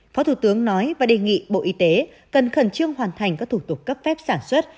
phó thủ tướng nói và đề nghị bộ y tế cần khẩn trương hoàn thành các thủ tục cấp phép sản xuất